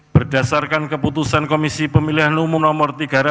berdasarkan keputusan komisi pemilihan umum no tiga ratus enam puluh